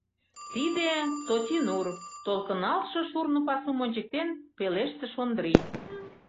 — Тиде Тотинур! — толкыналтше шурно пасум ончыктен, пелештыш Ондрий.